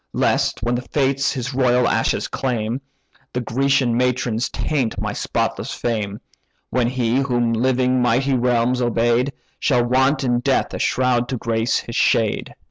Lest when the Fates his royal ashes claim, The Grecian matrons taint my spotless fame; When he, whom living mighty realms obey'd, Shall want in death a shroud to grace his shade.